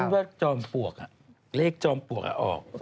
เรียกจอมปวกอ่ะเลขจอมปวกอ่ะออก